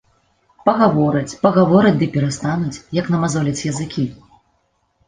Пагавораць, пагавораць ды перастануць, як намазоляць языкі.